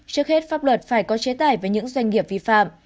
trước hết pháp luật phải có chế tải với những doanh nghiệp vi phạm